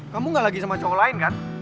kamu gak lagi sama cowok lain kan